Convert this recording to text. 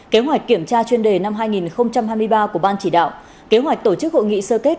kế hoạch kiểm tra chuyên đề năm hai nghìn hai mươi ba của ban chỉ đạo kế hoạch tổ chức hội nghị sơ kết